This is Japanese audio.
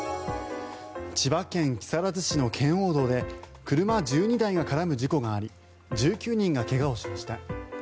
千葉県木更津市の圏央道で車１２台が絡む事故があり１９人が怪我をしました。